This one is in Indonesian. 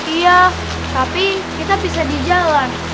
iya tapi kita bisa di jalan